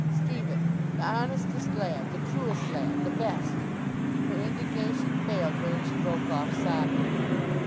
Stephen! The honestest lad, the truest lad, the best!' Her indignation failed her, and she broke off sobbing.